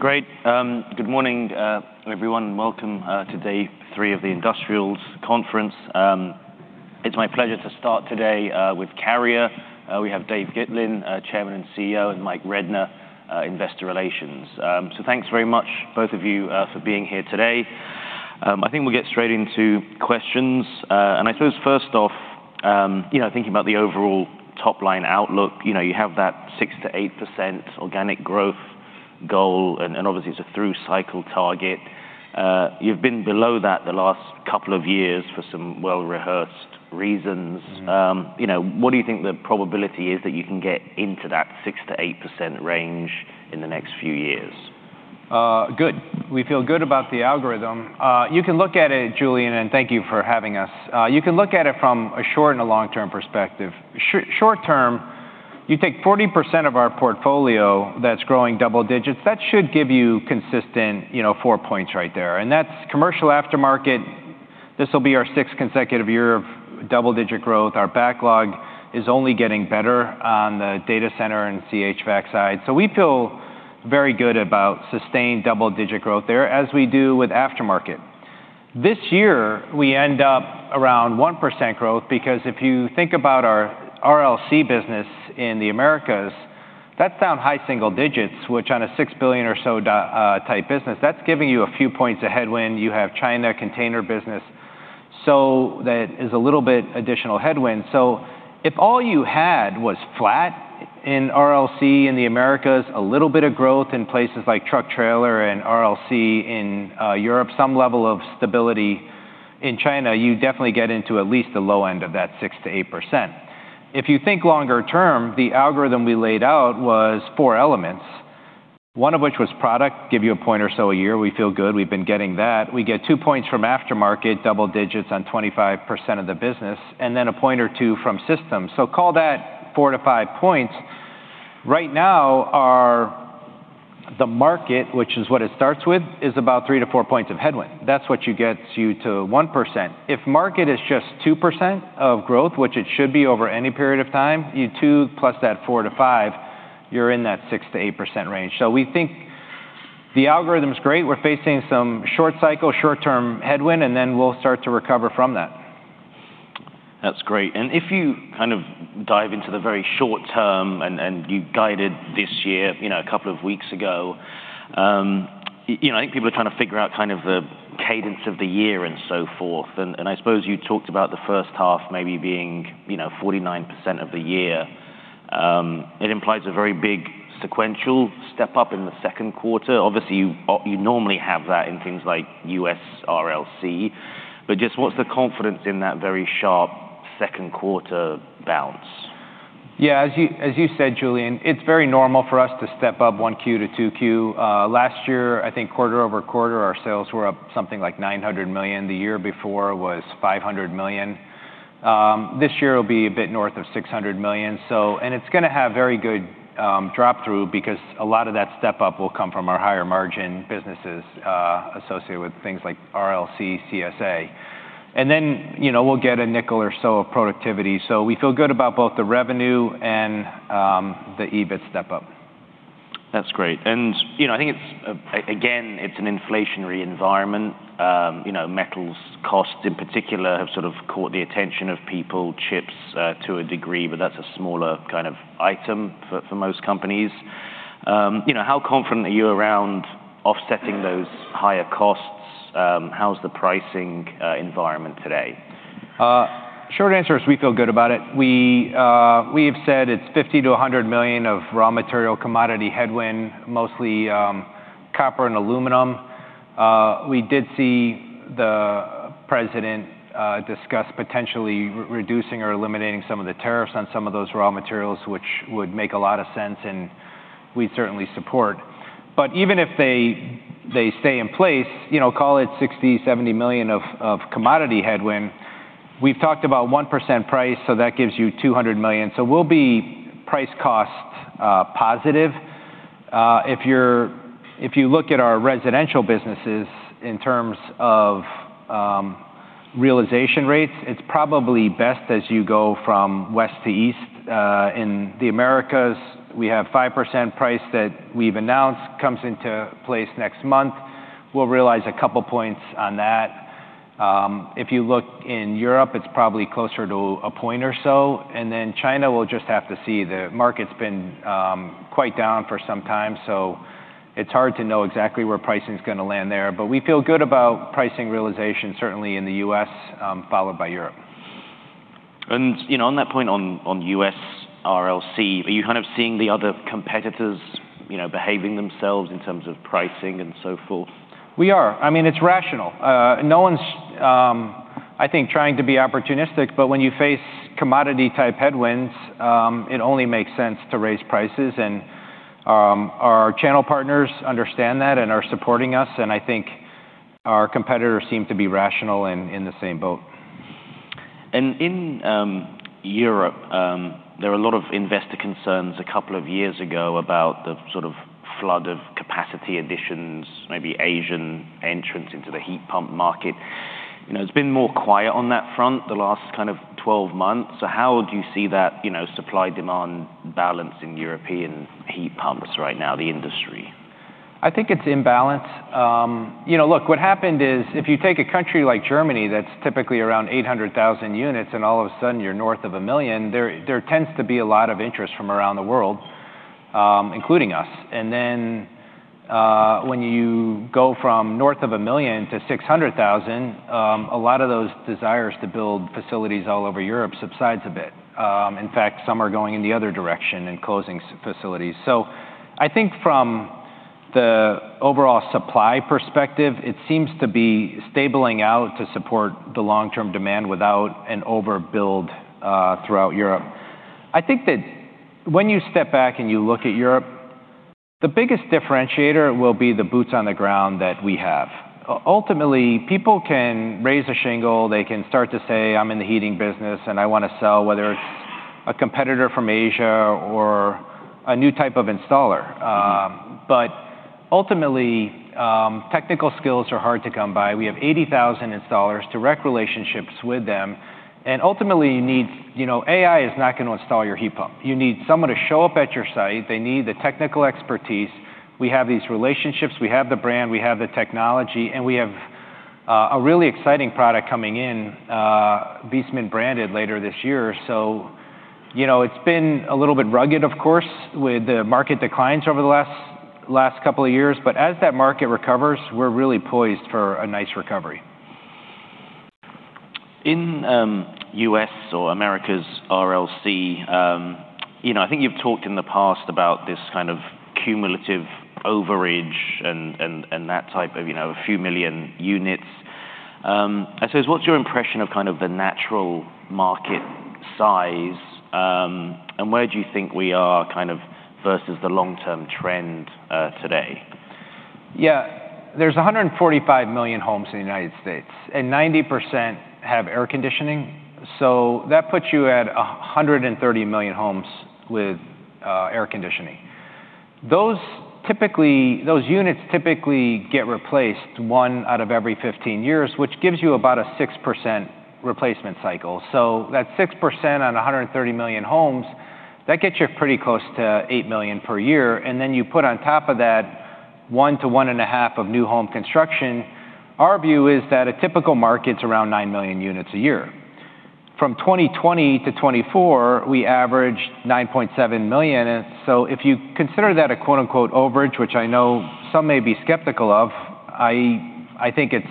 Great. Good morning, everyone, and welcome to day three of the Industrials Conference. It's my pleasure to start today with Carrier. We have Dave Gitlin, Chairman and CEO, and Mike Rednor, Investor Relations. So thanks very much, both of you, for being here today. I think we'll get straight into questions. And I suppose first off, you know, thinking about the overall top-line outlook, you know, you have that 6%-8% organic growth goal, and obviously it's a through-cycle target. You've been below that the last couple of years for some well-rehearsed reasons. You know, what do you think the probability is that you can get into that 6%-8% range in the next few years? Good. We feel good about the algorithm. You can look at it, Julian, and thank you for having us. You can look at it from a short and a long-term perspective. Short term, you take 40% of our portfolio that's growing double digits, that should give you consistent, you know, four points right there, and that's commercial aftermarket. This will be our sixth consecutive year of double-digit growth. Our backlog is only getting better on the data center and CHVAC side. So we feel very good about sustained double-digit growth there, as we do with aftermarket. This year, we end up around 1% growth because if you think about our RLC business in the Americas, that's down high single digits, which on a $6 billion or so type business, that's giving you a few points of headwind. You have China container business, so that is a little bit additional headwind. So if all you had was flat in RLC in the Americas, a little bit of growth in places like truck trailer and RLC in Europe, some level of stability in China, you definitely get into at least the low end of that 6%-8%. If you think longer term, the algorithm we laid out was four elements, one of which was product, give you a point or so a year. We feel good. We've been getting that. We get two points from aftermarket, double digits on 25% of the business, and then a point or two from system. So call that four to five points. Right now, our... The market, which is what it starts with, is about three to four points of headwind. That's what you gets you to 1%. If market is just 2% growth, which it should be over any period of time, you two plus that four-five, you're in that 6%-8% range. So we think the algorithm is great. We're facing some short cycle, short-term headwind, and then we'll start to recover from that. That's great. And if you kind of dive into the very short term and, and you guided this year, you know, a couple of weeks ago, you know, I think people are trying to figure out kind of the cadence of the year and so forth. And, and I suppose you talked about the first half maybe being, you know, 49% of the year. It implies a very big sequential step up in the second quarter. Obviously, you, you normally have that in things like U.S. RLC, but just what's the confidence in that very sharp second quarter bounce? Yeah, as you, as you said, Julian, it's very normal for us to step up one Q to two Q. Last year, I think quarter-over-quarter, our sales were up something like $900 million. The year before was $500 million. This year will be a bit north of $600 million, so... It's gonna have very good drop-through because a lot of that step-up will come from our higher margin businesses associated with things like RLC, CSA. And then, you know, we'll get a nickel or so of productivity. So we feel good about both the revenue and the EBIT step-up. That's great. And, you know, I think it's again, it's an inflationary environment. You know, metals costs, in particular, have sort of caught the attention of people, chips, to a degree, but that's a smaller kind of item for most companies. You know, how confident are you around offsetting those higher costs? How's the pricing environment today? Short answer is we feel good about it. We, we have said it's $50 million-$100 million of raw material commodity headwind, mostly, copper and aluminum. We did see the president, discuss potentially reducing or eliminating some of the tariffs on some of those raw materials, which would make a lot of sense, and we'd certainly support. But even if they, they stay in place, you know, call it $60 million-$70 million of, of commodity headwind, we've talked about 1% price, so that gives you $200 million. So we'll be price-cost, positive. If you look at our residential businesses in terms of, realization rates, it's probably best as you go from west to east. In the Americas, we have 5% price that we've announced, comes into place next month. We'll realize a couple points on that. If you look in Europe, it's probably closer to a point or so, and then China, we'll just have to see. The market's been quite down for some time, so it's hard to know exactly where pricing is gonna land there. But we feel good about pricing realization, certainly in the U.S., followed by Europe. You know, on that point, on U.S. RLC, are you kind of seeing the other competitors, you know, behaving themselves in terms of pricing and so forth? We are. I mean, it's rational. No one's, I think, trying to be opportunistic, but when you face commodity-type headwinds, it only makes sense to raise prices, and our channel partners understand that and are supporting us, and I think our competitors seem to be rational and in the same boat. In Europe, there were a lot of investor concerns a couple of years ago about the sort of flood of capacity additions, maybe Asian entrants into the heat pump market... You know, it's been more quiet on that front the last kind of 12 months. So how do you see that, you know, supply-demand balance in European heat pumps right now, the industry? I think it's imbalanced. You know, look, what happened is, if you take a country like Germany, that's typically around 800,000 units, and all of a sudden you're north of 1 million, there tends to be a lot of interest from around the world, including us. And then, when you go from north of 1 million to 600,000, a lot of those desires to build facilities all over Europe subsides a bit. In fact, some are going in the other direction and closing facilities. So I think from the overall supply perspective, it seems to be stabilizing out to support the long-term demand without an overbuild, throughout Europe. I think that when you step back and you look at Europe, the biggest differentiator will be the boots on the ground that we have. Ultimately, people can raise a shingle, they can start to say, "I'm in the heating business, and I wanna sell," whether it's a competitor from Asia or a new type of installer. But ultimately, technical skills are hard to come by. We have 80,000 installers, direct relationships with them, and ultimately, you need... You know, AI is not gonna install your heat pump. You need someone to show up at your site. They need the technical expertise. We have these relationships, we have the brand, we have the technology, and we have a really exciting product coming in, Viessmann branded, later this year. So, you know, it's been a little bit rugged, of course, with the market declines over the last couple of years. But as that market recovers, we're really poised for a nice recovery. In U.S. or America's RLC, you know, I think you've talked in the past about this kind of cumulative overage and that type of, you know, a few million units. So what's your impression of kind of the natural market size, and where do you think we are kind of versus the long-term trend today? Yeah. There's 145 million homes in the United States, and 90% have air conditioning. So that puts you at 130 million homes with air conditioning. Those units typically get replaced one out of every 15 years, which gives you about a 6% replacement cycle. So that 6% on 130 million homes, that gets you pretty close to eight million per year, and then you put on top of that, one to 1.5 of new home construction. Our view is that a typical market's around 9 million units a year. From 2020 to 2024, we averaged 9.7 million, and so if you consider that a, quote, unquote, “overage,” which I know some may be skeptical of, I think it's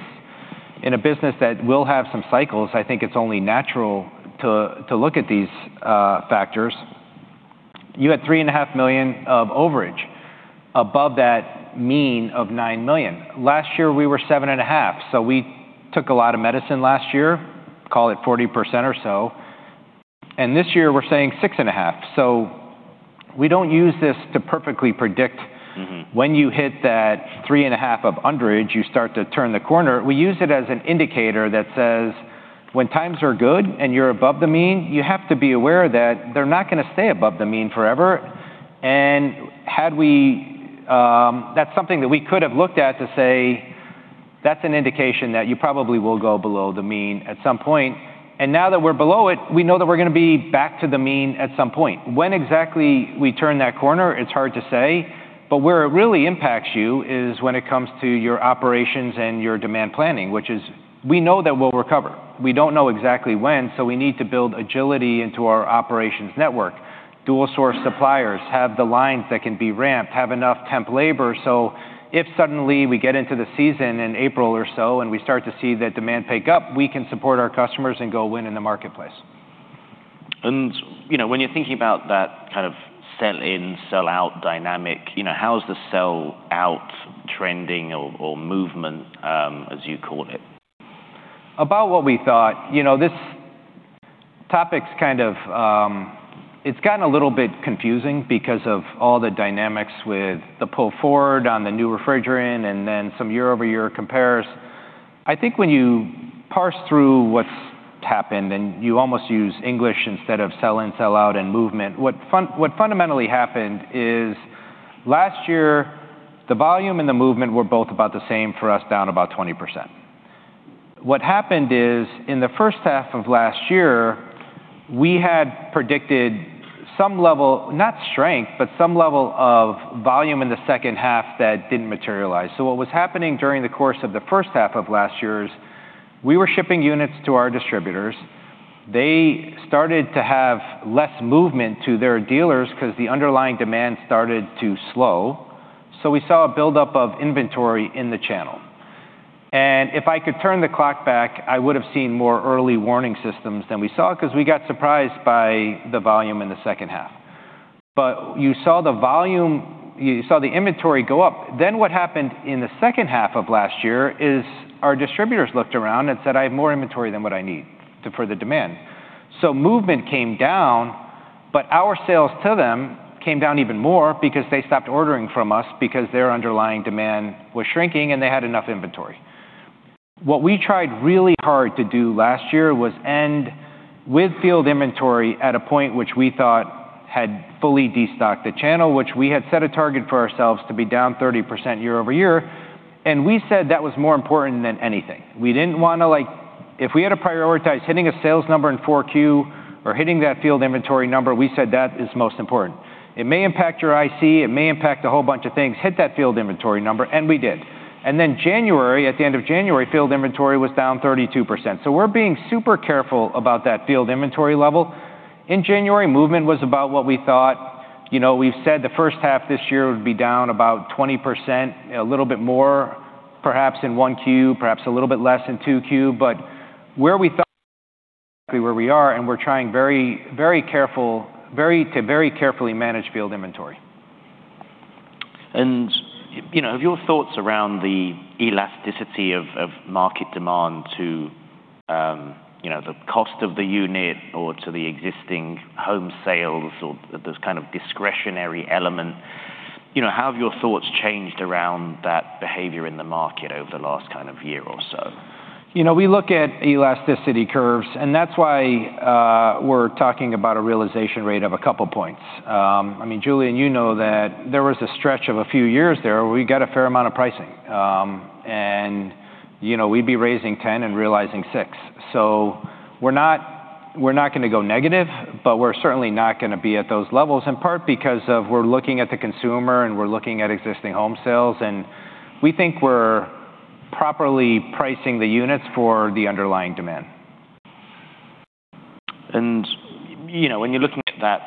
in a business that will have some cycles. I think it's only natural to look at these factors. You had $3.5 million of overage above that mean of $9 million. Last year, we were $7.5 million, so we took a lot of medicine last year, call it 40% or so, and this year we're saying $6.5 million. So we don't use this to perfectly predict-... when you hit that 3.5 of underage, you start to turn the corner. We use it as an indicator that says, when times are good and you're above the mean, you have to be aware that they're not gonna stay above the mean forever. That's something that we could have looked at to say, "That's an indication that you probably will go below the mean at some point." And now that we're below it, we know that we're gonna be back to the mean at some point. When exactly we turn that corner, it's hard to say, but where it really impacts you is when it comes to your operations and your demand planning, which is we know that we'll recover. We don't know exactly when, so we need to build agility into our operations network. Dual source suppliers have the lines that can be ramped, have enough temp labor, so if suddenly we get into the season in April or so, and we start to see that demand pick up, we can support our customers and go win in the marketplace. You know, when you're thinking about that kind of sell in, sell out dynamic, you know, how's the sell out trending or movement, as you call it? About what we thought. You know, this topic's kind of. It's gotten a little bit confusing because of all the dynamics with the pull forward on the new refrigerant and then some year-over-year compares. I think when you parse through what's happened, and you almost use English instead of sell in, sell out, and movement, what fundamentally happened is, last year, the volume and the movement were both about the same for us, down about 20%. What happened is, in the first half of last year, we had predicted some level, not strength, but some level of volume in the second half that didn't materialize. So what was happening during the course of the first half of last year is, we were shipping units to our distributors. They started to have less movement to their dealers 'cause the underlying demand started to slow, so we saw a buildup of inventory in the channel. And if I could turn the clock back, I would have seen more early warning systems than we saw, 'cause we got surprised by the volume in the second half. But you saw the volume—you saw the inventory go up. Then, what happened in the second half of last year is, our distributors looked around and said, "I have more inventory than what I need to... for the demand." So movement came down, but our sales to them came down even more because they stopped ordering from us because their underlying demand was shrinking, and they had enough inventory. What we tried really hard to do last year was end with field inventory at a point which we thought-... had fully destocked the channel, which we had set a target for ourselves to be down 30% year-over-year, and we said that was more important than anything. We didn't want to, like, if we had to prioritize hitting a sales number in 4Q or hitting that field inventory number, we said that is most important. It may impact your IC, it may impact a whole bunch of things. Hit that field inventory number, and we did. And then January, at the end of January, field inventory was down 32%. So we're being super careful about that field inventory level. In January, movement was about what we thought. You know, we've said the first half this year would be down about 20%, a little bit more, perhaps in 1Q, perhaps a little bit less in 2Q. But where we thought we were, and where we are, and we're trying very carefully to manage field inventory. You know, have your thoughts around the elasticity of market demand to, you know, the cost of the unit or to the existing home sales or those kind of discretionary element, you know, how have your thoughts changed around that behavior in the market over the last kind of year or so? You know, we look at elasticity curves, and that's why we're talking about a realization rate of a couple points. I mean, Julian, you know that there was a stretch of a few years there where we got a fair amount of pricing. And, you know, we'd be raising 10 and realizing six. So we're not, we're not gonna go negative, but we're certainly not gonna be at those levels, in part because of we're looking at the consumer and we're looking at existing home sales, and we think we're properly pricing the units for the underlying demand. You know, when you're looking at that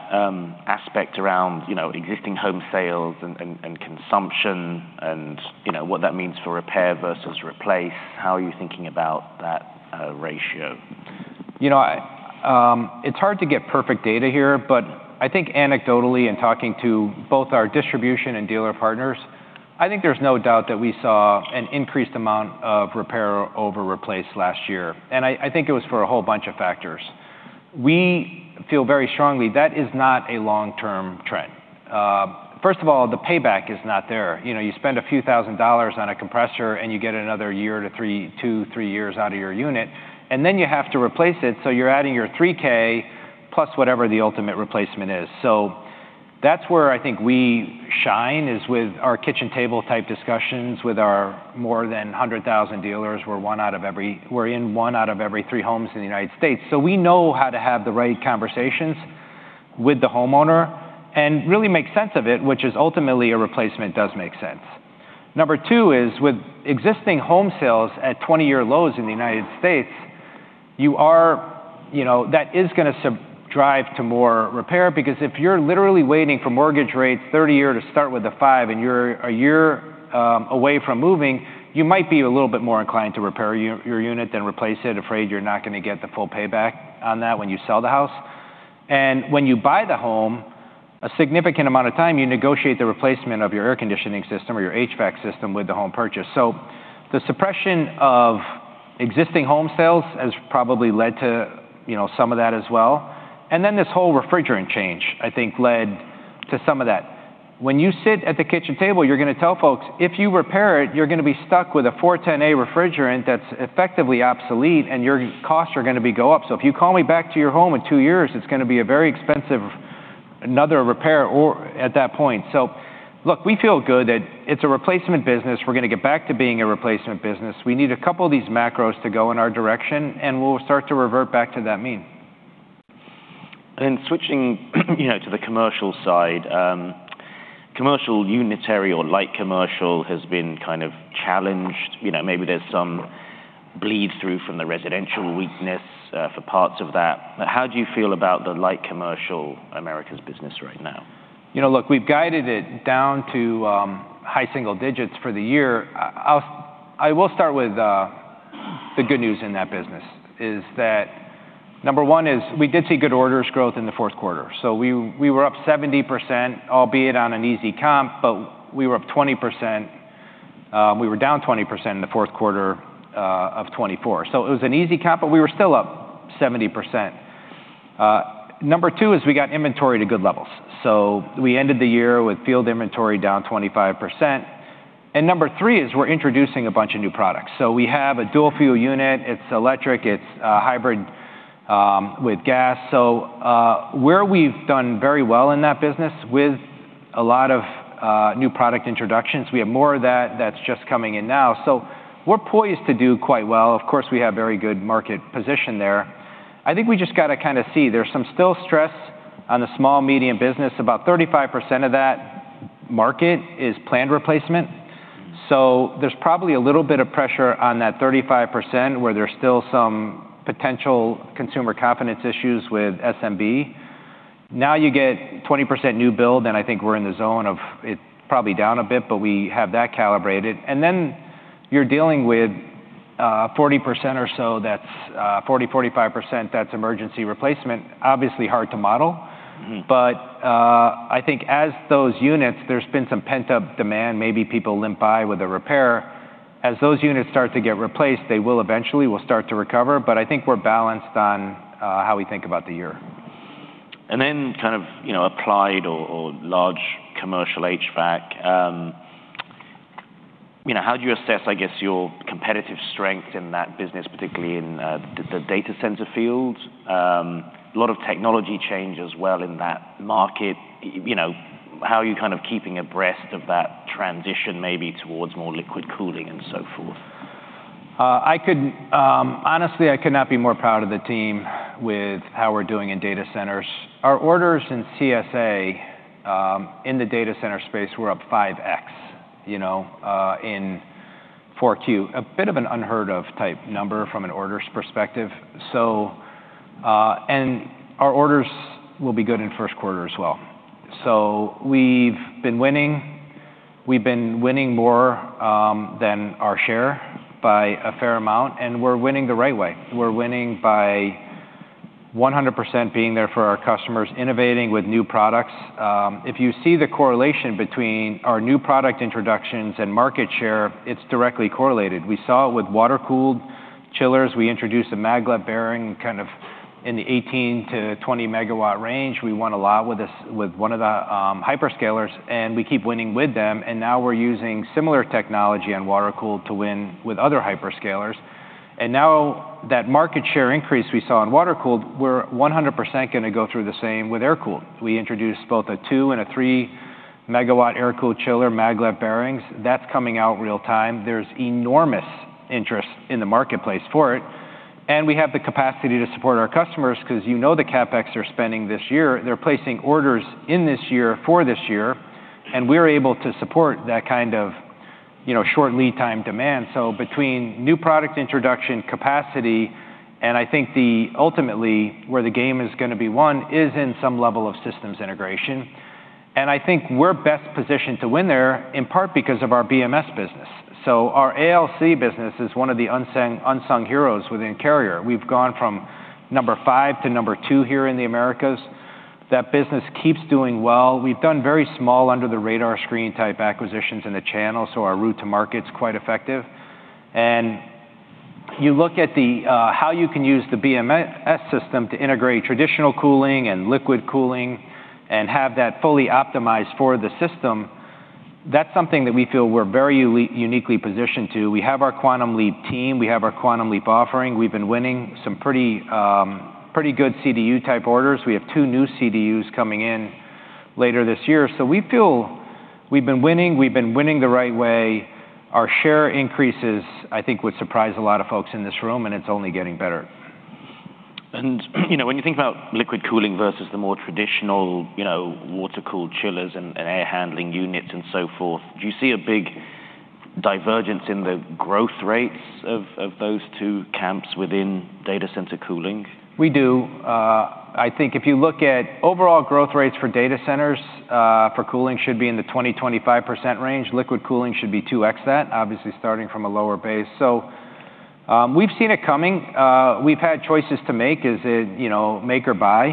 aspect around, you know, existing home sales and consumption and, you know, what that means for repair versus replace, how are you thinking about that ratio? You know, I, it's hard to get perfect data here, but I think anecdotally, in talking to both our distribution and dealer partners, I think there's no doubt that we saw an increased amount of repair over replace last year, and I, I think it was for a whole bunch of factors. We feel very strongly that is not a long-term trend. First of all, the payback is not there. You know, you spend a few thousand dollars on a compressor, and you get another year to three, two, three years out of your unit, and then you have to replace it, so you're adding your $3,000 plus whatever the ultimate replacement is. So that's where I think we shine, is with our kitchen table-type discussions with our more than 100,000 dealers. We're in one out of every three homes in the United States. So we know how to have the right conversations with the homeowner and really make sense of it, which is ultimately a replacement does make sense. Number two is with existing home sales at 20-year lows in the United States. You know, that is gonna drive to more repair, because if you're literally waiting for mortgage rates, 30-year to start with a five and you're a year away from moving, you might be a little bit more inclined to repair your unit than replace it, afraid you're not gonna get the full payback on that when you sell the house. When you buy the home, a significant amount of time, you negotiate the replacement of your air conditioning system or your HVAC system with the home purchase. So the suppression of existing home sales has probably led to, you know, some of that as well. And then this whole refrigerant change, I think, led to some of that. When you sit at the kitchen table, you're gonna tell folks, "If you repair it, you're gonna be stuck with a R-410A refrigerant that's effectively obsolete, and your costs are gonna be go up. So if you call me back to your home in two years, it's gonna be a very expensive... another repair or at that point." So look, we feel good that it's a replacement business. We're gonna get back to being a replacement business. We need a couple of these macros to go in our direction, and we'll start to revert back to that mean. Switching, you know, to the commercial side, commercial unitary or light commercial has been kind of challenged. You know, maybe there's some bleed-through from the residential weakness for parts of that. How do you feel about the light commercial Americas business right now? You know, look, we've guided it down to high single digits for the year. I will start with the good news in that business, is that number one is we did see good orders growth in the fourth quarter. So we were up 70%, albeit on an easy comp, but we were up 20%. We were down 20% in the fourth quarter of 2024. So it was an easy comp, but we were still up 70%. Number two is we got inventory to good levels. So we ended the year with field inventory down 25%. And number three is we're introducing a bunch of new products. So we have a dual-fuel unit. It's electric, it's hybrid with gas. So, where we've done very well in that business, with a lot of new product introductions, we have more of that, that's just coming in now. So we're poised to do quite well. Of course, we have very good market position there. I think we just got to kind of see. There's some still stress on the small medium business. About 35% of that market is planned replacement. So there's probably a little bit of pressure on that 35%, where there's still some potential consumer confidence issues with SMB. Now, you get 20% new build, and I think we're in the zone of it probably down a bit, but we have that calibrated. And then you're dealing with 40% or so, that's 40%-45%, that's emergency replacement. Obviously, hard to model. Mm-hmm. But, I think as those units, there's been some pent-up demand, maybe people limp by with a repair. As those units start to get replaced, they will eventually start to recover, but I think we're balanced on how we think about the year. And then kind of, you know, applied or large commercial HVAC. You know, how do you assess, I guess, your competitive strength in that business, particularly in the data center field? A lot of technology change as well in that market. You know, how are you kind of keeping abreast of that transition, maybe towards more liquid cooling and so forth? Honestly, I could not be more proud of the team with how we're doing in data centers. Our orders in CSA in the data center space were up 5x, you know, in 4Q. A bit of an unheard of type number from an orders perspective. Our orders will be good in first quarter as well. So we've been winning. We've been winning more than our share by a fair amount, and we're winning the right way. We're winning by 100% being there for our customers, innovating with new products. If you see the correlation between our new product introductions and market share, it's directly correlated. We saw it with water-cooled chillers. We introduced a maglev bearing, kind of in the 18 MW -20 MW range. We won a lot with this, with one of the hyperscalers, and we keep winning with them, and now we're using similar technology on water-cooled to win with other hyperscalers. And now that market share increase we saw in water-cooled, we're 100% gonna go through the same with air-cooled. We introduced both a two and 3 MW air-cooled chiller Maglev bearings. That's coming out real time. There's enormous interest in the marketplace for it, and we have the capacity to support our customers 'cause you know the CapEx they're spending this year, they're placing orders in this year for this year, and we're able to support that kind of, you know, short lead time demand. So between new product introduction capacity, and I think ultimately, where the game is gonna be won is in some level of systems integration, and I think we're best positioned to win there, in part, because of our BMS business. So our ALC business is one of the unsung heroes within Carrier. We've gone from number five to number two here in the Americas. That business keeps doing well. We've done very small, under-the-radar screen-type acquisitions in the channel, so our route to market's quite effective. And you look at the how you can use the BMS system to integrate traditional cooling and liquid cooling and have that fully optimized for the system, that's something that we feel we're very uniquely positioned to. We have our Quantum Leap team. We have our Quantum Leap offering. We've been winning some pretty good CDU-type orders. We have 2 new CDUs coming in later this year. We feel we've been winning, we've been winning the right way. Our share increases, I think, would surprise a lot of folks in this room, and it's only getting better. You know, when you think about liquid cooling versus the more traditional, you know, water-cooled chillers and air handling units and so forth, do you see a big divergence in the growth rates of those two camps within data center cooling? We do. I think if you look at overall growth rates for data centers, for cooling should be in the 20%-25% range. Liquid cooling should be 2x that, obviously starting from a lower base. So, we've seen it coming. We've had choices to make, is it, you know, make or buy?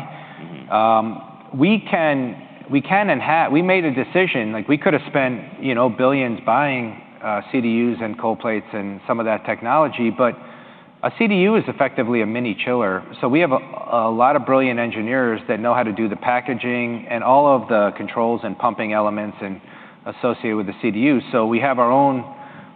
We can, we can and have... We made a decision, like, we could have spent, you know, billions buying, CDUs and cold plates and some of that technology, but a CDU is effectively a mini chiller. We have a lot of brilliant engineers that know how to do the packaging and all of the controls and pumping elements associated with the CDU. We have our own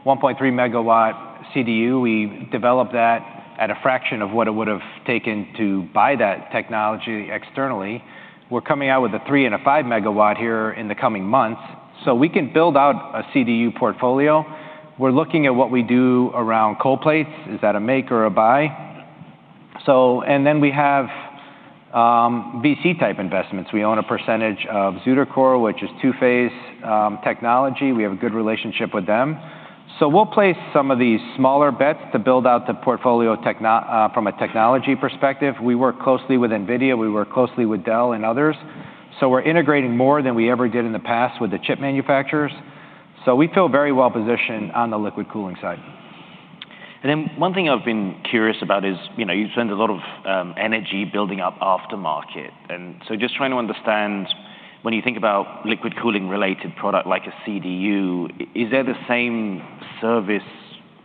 1.3 megawatt CDU. We developed that at a fraction of what it would have taken to buy that technology externally. We're coming out with a three and a 5 MW here in the coming months. We can build out a CDU portfolio. We're looking at what we do around cold plates. Is that a make or a buy? We have, VC-type investments. We own a percentage of ZutaCore, which is two-phase technology. We have a good relationship with them. So we'll place some of these smaller bets to build out the portfolio from a technology perspective. We work closely with NVIDIA. We work closely with Dell and others. So we're integrating more than we ever did in the past with the chip manufacturers. So we feel very well positioned on the liquid cooling side. And then one thing I've been curious about is, you know, you spend a lot of energy building up aftermarket, and so just trying to understand, when you think about liquid cooling-related product like a CDU, is there the same service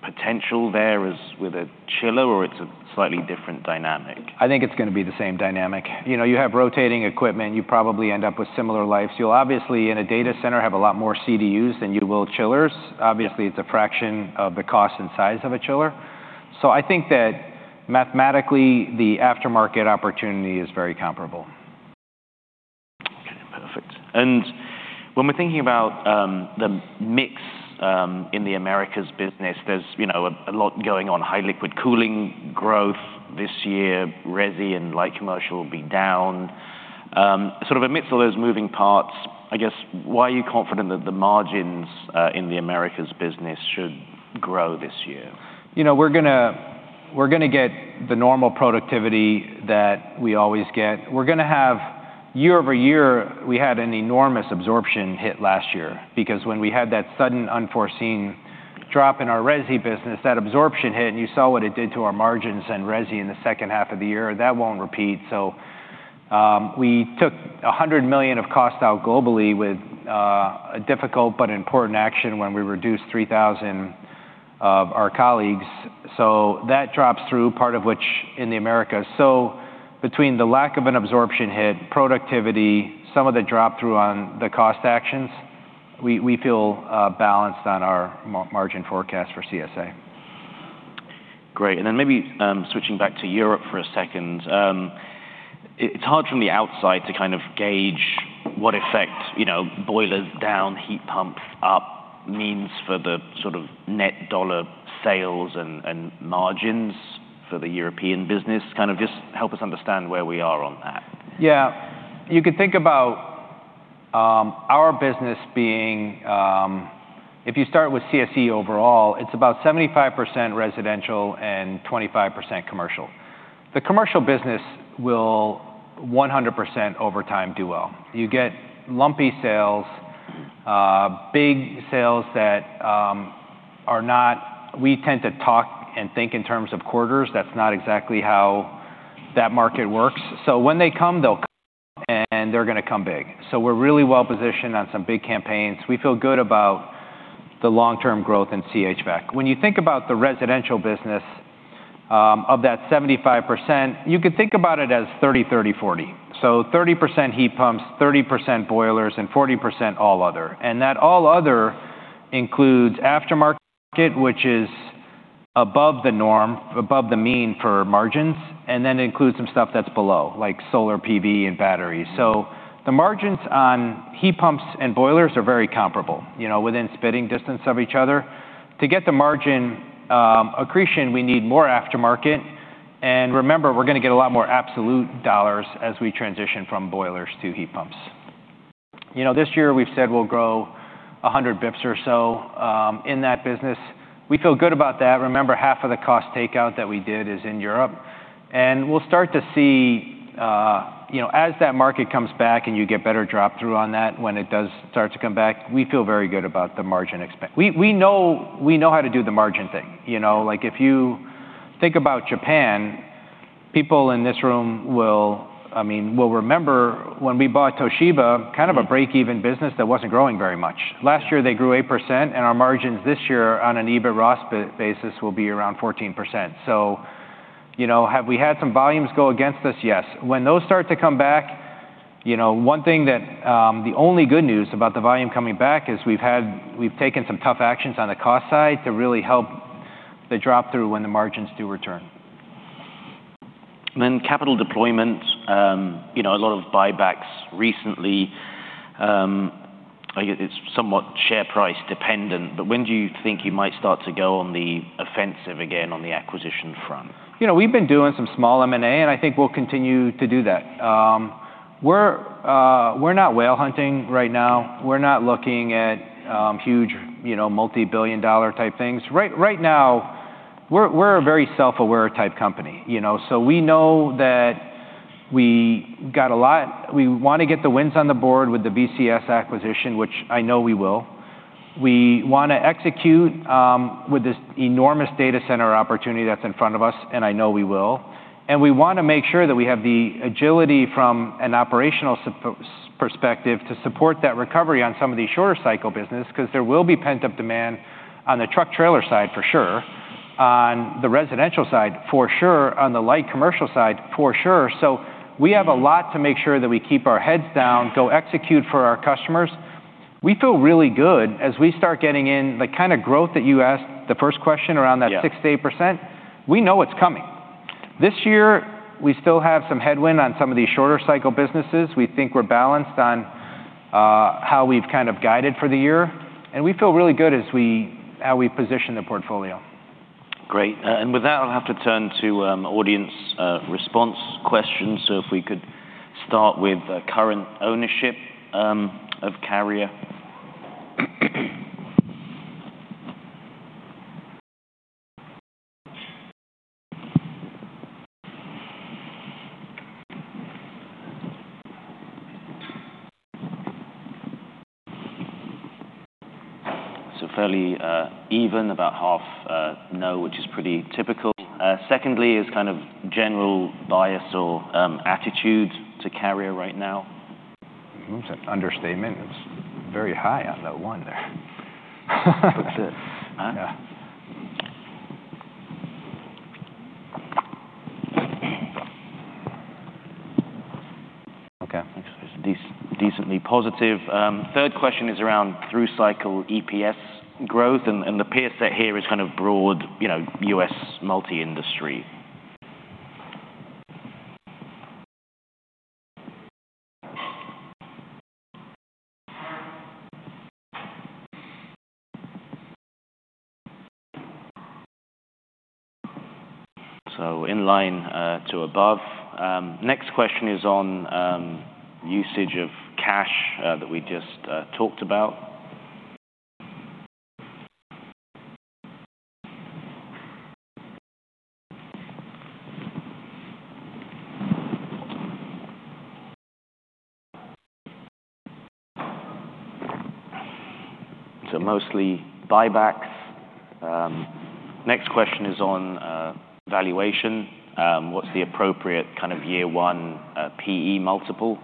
potential there as with a chiller, or it's a slightly different dynamic? I think it's gonna be the same dynamic. You know, you have rotating equipment, you probably end up with similar lives. You'll obviously, in a data center, have a lot more CDUs than you will chillers. Yeah. Obviously, it's a fraction of the cost and size of a chiller. So I think that mathematically, the aftermarket opportunity is very comparable. Okay, perfect. And when we're thinking about the mix in the Americas business, there's, you know, a lot going on, high liquid cooling growth this year, resi and light commercial will be down. Sort of amidst all those moving parts, I guess, why are you confident that the margins in the Americas business should grow this year? You know, we're gonna, we're gonna get the normal productivity that we always get. We're gonna have year-over-year, we had an enormous absorption hit last year because when we had that sudden unforeseen drop in our resi business, that absorption hit, and you saw what it did to our margins and resi in the second half of the year, that won't repeat. So we took $100 million of cost out globally with a difficult but important action when we reduced 3,000 of our colleagues. So that drops through, part of which in the Americas. So between the lack of an absorption hit, productivity, some of the drop through on the cost actions, we feel balanced on our margin forecast for CSA. Great. And then maybe, switching back to Europe for a second. It's hard from the outside to kind of gauge what effect, you know, boilers down, heat pumps up, means for the sort of net dollar sales and, and margins for the European business. Kind of just help us understand where we are on that. Yeah. You could think about our business being. If you start with CSE overall, it's about 75% residential and 25% commercial. The commercial business will 100% over time do well. You get lumpy sales, big sales that we tend to talk and think in terms of quarters. That's not exactly how that market works. So when they come, they'll come, and they're gonna come big. So we're really well positioned on some big campaigns. We feel good about the long-term growth in HVAC. When you think about the residential business, of that 75%, you could think about it as 30, 30, 40. So 30% heat pumps, 30% boilers, and 40% all other. That all other includes aftermarket, which is above the norm, above the mean for margins, and then includes some stuff that's below, like solar PV and batteries. The margins on heat pumps and boilers are very comparable, you know, within spitting distance of each other. To get the margin accretion, we need more aftermarket. And remember, we're gonna get a lot more absolute dollars as we transition from boilers to heat pumps. You know, this year we've said we'll grow 100 basis points or so in that business. We feel good about that. Remember, half of the cost takeout that we did is in Europe. We'll start to see, you know, as that market comes back and you get better drop-through on that, when it does start to come back, we feel very good about the margin. We, we know, we know how to do the margin thing. You know, like, if you think about Japan, people in this room will, I mean, will remember when we bought Toshiba, kind of a break-even business that wasn't growing very much. Last year, they grew 8%, and our margins this year on an EBITDAS basis will be around 14%. So, you know, have we had some volumes go against us? Yes. When those start to come back, you know, one thing that... The only good news about the volume coming back is we've taken some tough actions on the cost side to really help the drop-through when the margins do return. Then capital deployment, you know, a lot of buybacks recently. I get it's somewhat share price dependent, but when do you think you might start to go on the offensive again on the acquisition front? You know, we've been doing some small M&A, and I think we'll continue to do that. We're not whale hunting right now. We're not looking at huge, you know, multi-billion dollar type things. Right, right now, we're a very self-aware type company, you know? So we know that we got a lot. We want to get the wins on the board with the VCS acquisition, which I know we will. We wanna execute with this enormous data center opportunity that's in front of us, and I know we will. We wanna make sure that we have the agility from an operational perspective to support that recovery on some of these shorter cycle business, 'cause there will be pent-up demand on the truck trailer side, for sure, on the residential side, for sure, on the light commercial side, for sure. So we have a lot to make sure that we keep our heads down, go execute for our customers. We feel really good as we start getting in the kind of growth that you asked the first question around that- Yeah... 6%-8%. We know it's coming. This year, we still have some headwind on some of these shorter cycle businesses. We think we're balanced on how we've kind of guided for the year, and we feel really good how we've positioned the portfolio. Great. And with that, I'll have to turn to audience response questions. So if we could start with current ownership of Carrier. So fairly even, about half, no, which is pretty typical. Secondly, is kind of general bias or attitude to Carrier right now. That's an understatement. It's very high on that one there. Yeah. Okay. Decently positive. Third question is around through-cycle EPS growth, and the peer set here is kind of broad, you know, U.S. multi-industry. So in line to above. Next question is on usage of cash that we just talked about. So mostly buybacks. Next question is on valuation. What's the appropriate kind of year one PE multiple?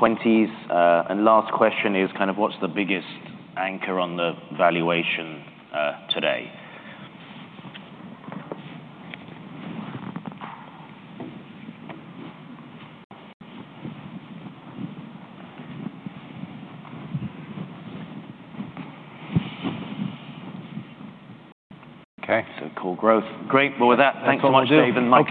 So in the 20s. And last question is kind of what's the biggest anchor on the valuation today? Okay, so core growth. Great. Well, with that, thanks so much, Dave and Mike.